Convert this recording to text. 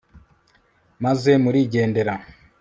maze murigendera